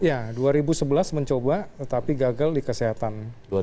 ya dua ribu sebelas mencoba tetapi gagal di kesehatan